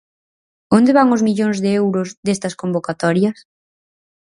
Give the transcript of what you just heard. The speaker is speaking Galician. ¿Onde van os millóns de euros destas convocatorias?